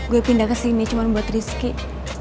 gue pindah kesini cuma buat rizky